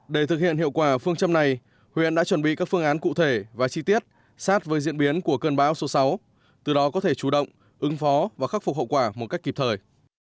để thực hiện hiệu quả phương châm này huyện đã chuẩn bị các phương án cụ thể và chi tiết sát với diễn biến của cơn bão số sáu từ đó có thể chủ động ứng phó và khắc phục hậu quả một cách kịp thời